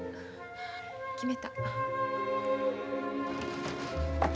決めた。